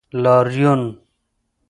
لاریون